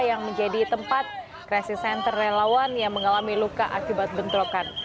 yang menjadi tempat kresisen terelawan yang mengalami luka akibat bentrokan